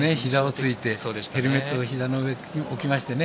ヘルメットを膝の上に置きましてね。